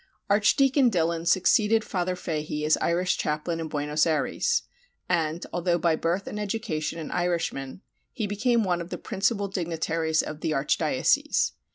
Archdeacon Dillon succeeded Father Fahy as Irish chaplain in Buenos Ayres, and, although by birth and education an Irishman, he became one of the principal dignitaries of the archdiocese.